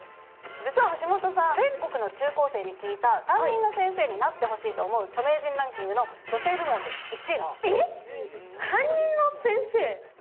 実は橋本さん、全国の中高生に聞いた、担任の先生になってほしいと思う著名人ランキングの女性部門で１えっ、担任の先生？